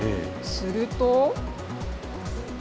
すると。